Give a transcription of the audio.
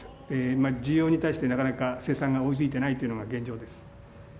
今、需要に対してなかなか生産が追いついてないというのが現状です。